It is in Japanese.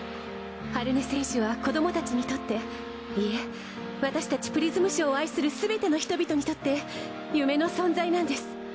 春音選手は子供たちにとっ私たちプリズムショーを愛するすべての人々にとって夢の存在なんです。